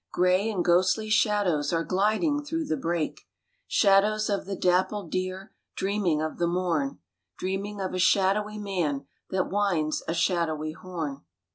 Gray and ghostly shadows are gliding through the brake; Shadows of the dappled deer, dreaming of the morn, Dreaming of a shadowy man that winds a shadowy horn.